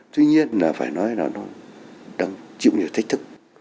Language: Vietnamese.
tuy nhiên là phải nói là nó đang chịu nhiều thách thức